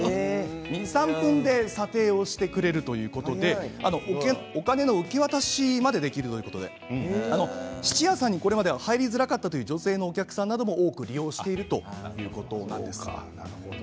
２、３分で査定をしてくれるということでお金の受け渡しまでできるということで質屋さんにこれまでは入りづらかったという女性のお客さんなども多く利用しているということなんです。